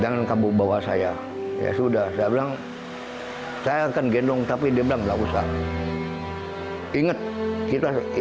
jangan kamu bawa saya ya sudah saya bilang saya akan gendong tapi dia bilang nggak usah ingat kita